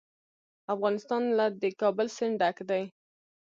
افغانستان له د کابل سیند ډک دی.